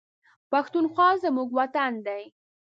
پښتونخوا زموږ وطن دی